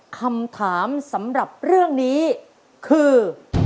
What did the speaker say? คำถามสำหรับเรื่องนี้คือ